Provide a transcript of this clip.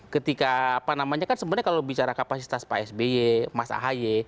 ketika apa namanya kan sebenarnya kalau bicara kapasitas pak sby mas ahaye